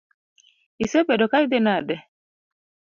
Isebedo ka idhi nade?